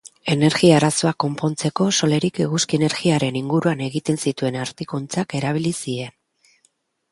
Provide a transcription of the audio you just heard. Energia-arazoak konpontzeko, Solerik eguzki-energiaren inguruan egin zituen aurkikuntzak erabili ziren.